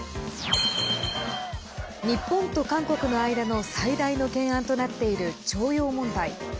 日本と韓国の間の最大の懸案となっている徴用問題。